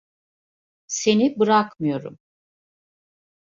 Seni bırakmıyorum.